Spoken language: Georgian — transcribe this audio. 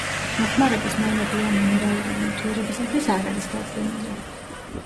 მოხმარების ნორმები ამ მინერალური ნივთიერებისათვის არ არის დადგენილი.